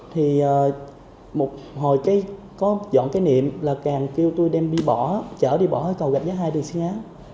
thì một hồi có dọn cái niệm là càng kêu tôi đem đi bỏ chở đi bỏ ở cầu gạch giá hai đường sinh á